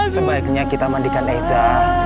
sebaiknya kita mandikan esa